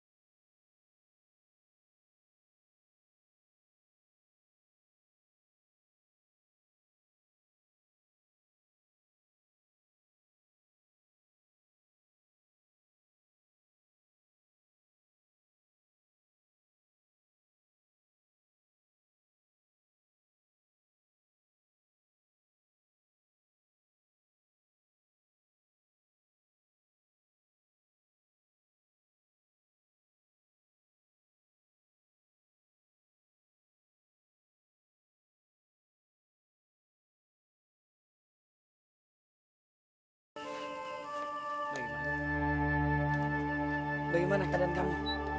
bagaimana keadaan kamu